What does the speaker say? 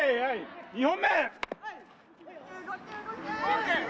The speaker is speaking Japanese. ２本目！